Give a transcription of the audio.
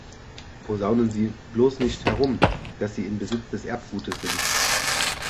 Posaunen Sie bloß nicht herum, dass Sie in Besitz des Erbguts sind!